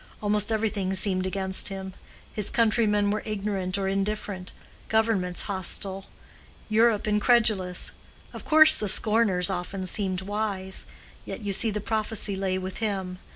Almost everything seemed against him; his countrymen were ignorant or indifferent, governments hostile, Europe incredulous. Of course the scorners often seemed wise. Yet you see the prophecy lay with him.